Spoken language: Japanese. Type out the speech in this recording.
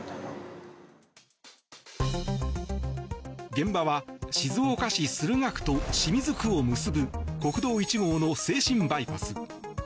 現場は静岡市駿河区と清水区を結ぶ国道１号の静清バイパス。